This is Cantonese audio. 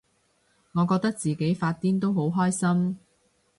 我覺得自己發癲都好開心